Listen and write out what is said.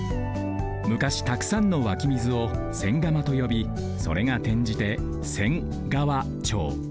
昔たくさんのわきみずを千釜とよびそれがてんじて仙川町。